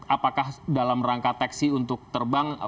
apakah dalam rangka teksi untuk terbang